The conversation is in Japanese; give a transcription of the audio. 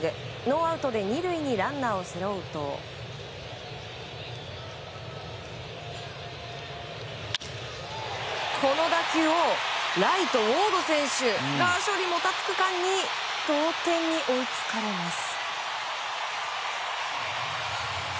ノーアウトで２塁にランナーを背負うとこの打球をライト、ウォード選手が処理をもたつく間に同点に追いつかれます。